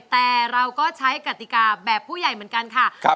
แต่เราก็ใช้กติกาแบบผู้ใหญ่เหมือนกันค่ะ